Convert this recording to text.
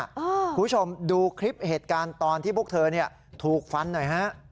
คุณผู้ชมดูคลิปเหตุการณ์ตอนที่พวกเธอเนี่ยถูกฟันหน่อยฮะ